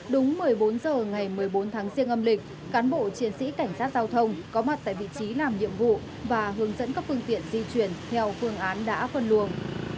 đúng một mươi bốn h ngày một mươi bốn tháng riêng âm lịch cán bộ chiến sĩ cảnh sát giao thông có mặt tại vị trí làm nhiệm vụ và hướng dẫn các phương tiện di chuyển theo phương án đã phân luồng